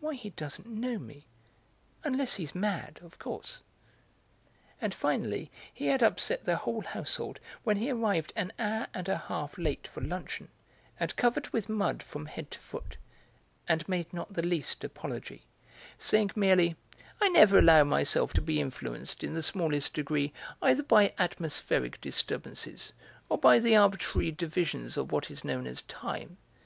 "Why he doesn't know me. Unless he's mad, of course." And finally he had upset the whole household when he arrived an hour and a half late for luncheon and covered with mud from head to foot, and made not the least apology, saying merely: "I never allow myself to be influenced in the smallest degree either by atmospheric disturbances or by the arbitrary divisions of what is known as Time.